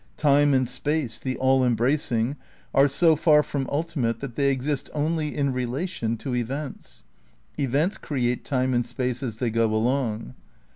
Time and space, the all embracing, are so far from ultimate that they exist only in relation to events. Events create time and space as they go along.